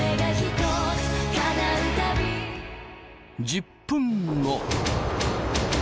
１０分後。